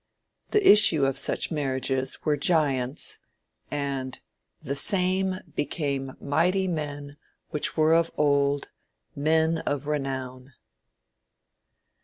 The issue of such marriages were giants, and "the same became mighty men which were of old, men of renown."